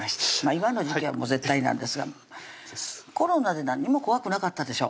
今の時期はもう絶対なんですがコロナで何も怖くなかったでしょ